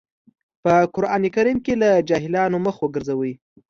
په قرآن کريم کې له جاهلانو مخ وګرځوئ.